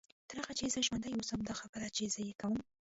تر هغه چې زه ژوندۍ واوسم دا خبرې چې زه یې کوم.